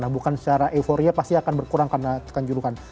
nah bukan secara euforia pasti akan berkurang karena tekan judukan